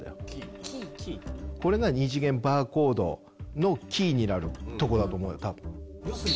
これが二次元バーコードのキーになるとこだと思うよ多分。